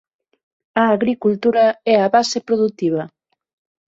A agricultura é a base produtiva.